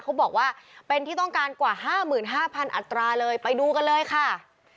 เขาบอกว่าเป็นที่ต้องการกว่า๕๕๐๐อัตราเลยไปดูกันเลยค่ะ